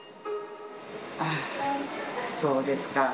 あぁ、そうですか。